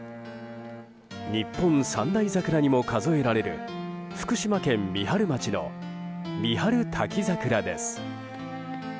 日本三大桜にも数えられる福島県三春町の三春滝桜です。